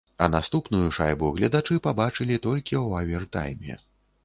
А наступную шайбу гледачы пабачылі толькі ў авертайме.